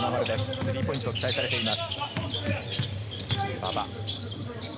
スリーポイントを期待されています。